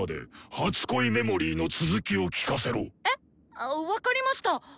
あ分かりました。